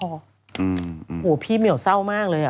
โอ้โหพี่เหมียวเศร้ามากเลยอ่ะ